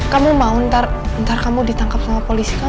kamu mau ntar kamu ditangkap sama polisi kamu